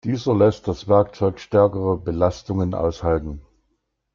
Dieser lässt das Werkzeug stärkere Belastungen aushalten.